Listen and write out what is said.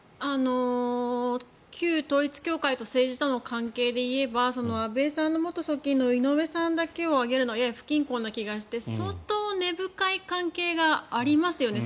旧統一教会と政治との関係でいえば安倍さんの元側近の井上さんだけを挙げるのはやや不均衡な気がして相当根深い関係がありますよね。